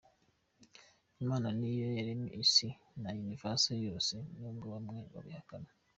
Imana niyo yaremye isi na Universe yose, nubwo bamwe babihakana.